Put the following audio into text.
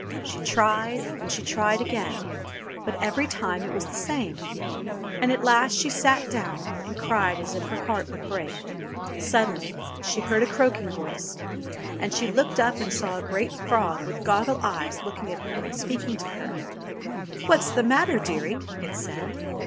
She tried and she tried again, but every time it was the same ; and at last she sate down and cried as if her heart would break. Suddenly she heard a croaking voice, and she looked up and saw a great frog with goggle eyes looking at her and speaking to her. What's the matter, dearie ?" it said.